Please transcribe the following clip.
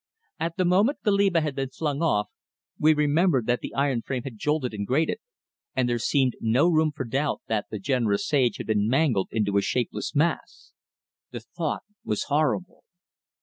At the moment Goliba had been flung off we remembered that the iron frame had jolted and grated, and there seemed no room for doubt that the generous sage had been mangled into a shapeless mass. The thought was horrible.